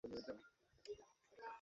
আমার বাবার কথা জানলেন কী করে?